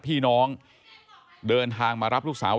ไอ้แม่ได้เอาแม่ได้เอาแม่